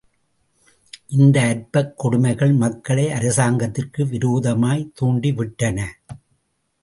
இந்த அற்பக் கொடுமைகள் மக்களை அரசாங்கத்திற்கு விரோதமாய்த் தூண்டிவிட்டன.